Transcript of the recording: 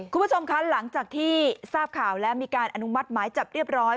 คุณผู้ชมคะหลังจากที่ทราบข่าวและมีการอนุมัติหมายจับเรียบร้อย